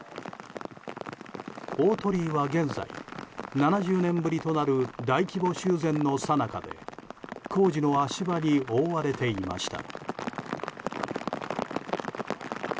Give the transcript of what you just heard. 大鳥居は現在７０年ぶりとなる大規模修繕のさなかで工事の足場に覆われていました。